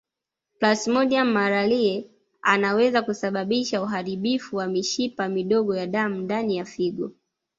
Plasmodium malariae anaweza kusababisha uharibifu wa mishipa midogo ya damu ndani ya figo